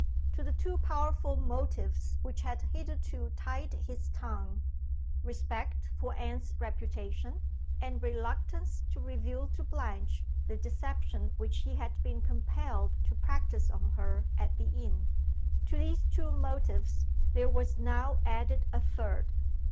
To the two powerful motives which had hitherto tied his tongue respect for Anne's reputation, and reluctance to reveal to Blanche the deception which he had been compelled to practice on her at the inn to these two motives there was now added a third.